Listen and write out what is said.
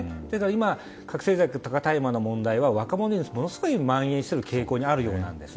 今、覚醒剤とか大麻の問題は若者にものすごい蔓延している傾向にあるようです。